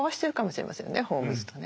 ホームズとね。